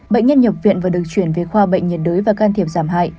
bệnh nhân nhập viện và được chuyển về khoa bệnh nhiệt đới và can thiệp giảm hại